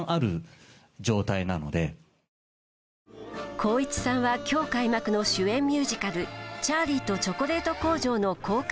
光一さんは今日開幕の主演ミュージカル「チャーリーとチョコレート工場」の公開